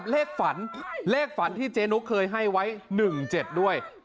เลขฝันที่เจนุ๊กเคยให้ไว้๑๗ด้วย